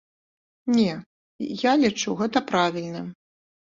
Не, я лічу гэта правільным.